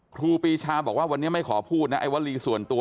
ครูปีชาบอกว่าวันนี้ไม่ขอพูดนะไอ้วลีส่วนตัว